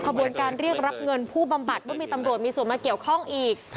ขบวนการเรียกรับเงินผู้บำบัดว่ามีตำรวจมีส่วนมาเกี่ยวข้องอีก